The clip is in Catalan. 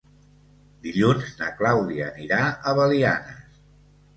Dilluns na Clàudia anirà a Belianes.